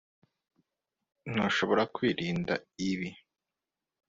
Ntushobora kwirinda ibi